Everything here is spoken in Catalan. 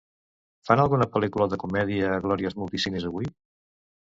Fan alguna pel·lícula de comèdia a Glòries Multicines avui?